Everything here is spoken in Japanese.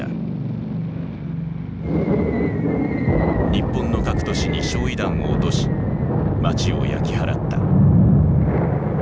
日本の各都市に焼い弾を落とし街を焼き払った。